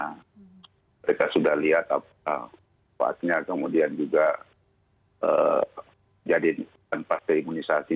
nah mereka sudah lihat apa hatinya kemudian juga jadi pasir imunisasi